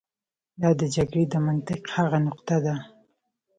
دا د جګړې د منطق هغه نقطه ده.